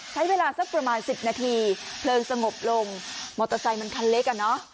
ใช้เวลาสักประมาณสิบนาทีเพลิงสงบลงมอเตอร์ไซค์มันคันเล็กอ่ะเนอะ